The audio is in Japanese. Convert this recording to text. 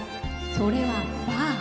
それは、バー。